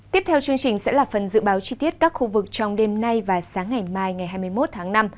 tiếp theo chương trình sẽ là phần dự báo chi tiết các khu vực trong đêm nay và sáng ngày mai ngày hai mươi một tháng năm